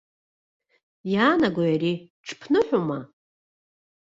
Иаанагои ари, ҽԥныҳәоума?